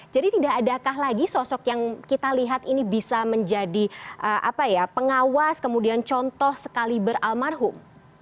jadi tidak adakah lagi sosok yang kita lihat ini bisa menjadi pengawas kemudian contoh sekaliber almarhum